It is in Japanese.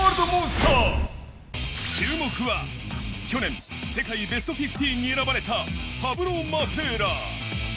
注目は去年世界ベスト１５に選ばれたパブロ・マテーラ。